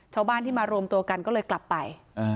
ชาวบ้านที่มารวมตัวกันก็เลยกลับไป